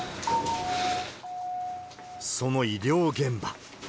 その医療現場。